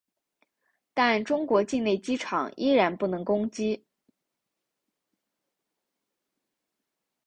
但中国境内机场依然不能攻击。